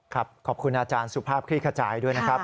ขอบคุณอาจารย์สุภาพคลี่ขจายด้วยนะครับ